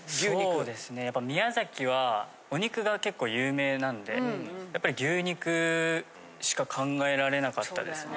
そうですねやっぱ宮崎はお肉が結構有名なんでやっぱり牛肉しか考えられなかったですね。